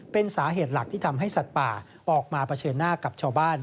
เป็นสาเหตุหลักที่ทำให้สัตว์ป่าออกมาเผชิญหน้ากับชาวบ้าน